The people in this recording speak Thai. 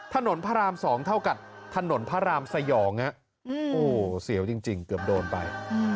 ถนนพระราม๒เท่ากับถนนพระรามสยองโอ้โหเสียวจริงเกือบโดนไป